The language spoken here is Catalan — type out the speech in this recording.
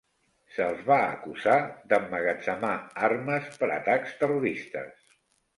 Se'ls va acusar d'emmagatzemar armes per atacs terroristes.